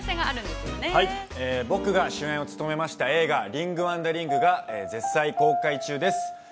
◆僕が主演を務めました映画「リング・ワンダリング」が絶賛公開中です。